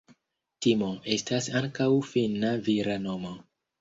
Timo estas ankaŭ finna vira nomo.